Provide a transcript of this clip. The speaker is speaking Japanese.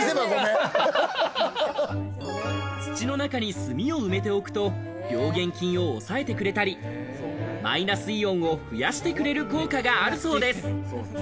土の中に炭を埋めておくと病原菌を抑えてくれたり、マイナスイオンを増やしてくれる効果があるそうです。